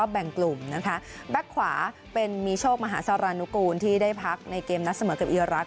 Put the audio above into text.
แบ่งกลุ่มนะคะแบ็คขวาเป็นมีโชคมหาสารนุกูลที่ได้พักในเกมนัดเสมอกับอีรักษ